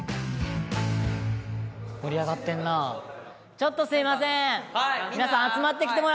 ちょっとすいません。